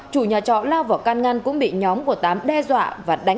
chủ nhà trọ lao vào căn ngăn